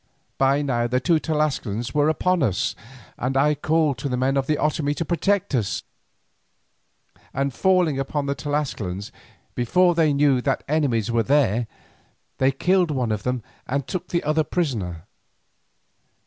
By now the two Tlascalans were upon us, and I called to the men of the Otomie to protect us, and falling on the Tlascalans before they knew that enemies were there, they killed one of them and took the other prisoner.